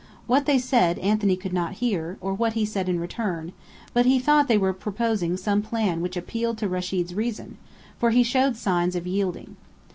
What they said, Anthony could not hear, or what he said in return; but he thought they were proposing some plan which appealed to Rechid's reason, for he showed signs of yielding.